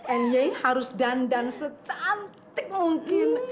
any harus dandan secantik mungkin